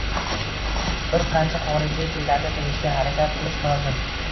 Bir qancha xorijiy tillarni bilishga harakat qilish lozim